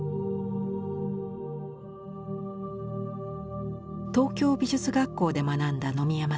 東京美術学校で学んだ野見山さん。